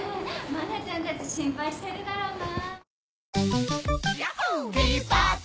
真菜ちゃんたち心配してるだろうな。